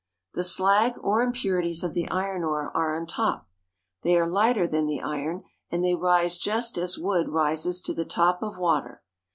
The slag or impurities of the iron are on top. They are lighter than the iron, and they rise just as wood rises to the top of water.